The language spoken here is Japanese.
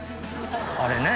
あれねぇ！